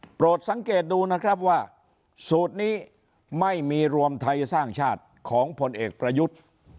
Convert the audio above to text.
โปรดสังเกตดูนะครับว่าสูตรนี้ไม่มีรวมไทยสร้างชาติของผลเอกประยุทธ์